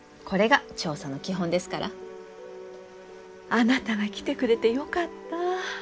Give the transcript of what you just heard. あなたが来てくれてよかった。